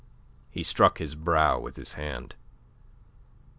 He struck his brow with his hand.